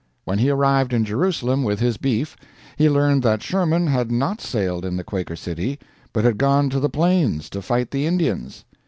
When he arrived in Jerusalem with his beef, he learned that Sherman had not sailed in the Quaker City, but had gone to the Plains to fight the Indians.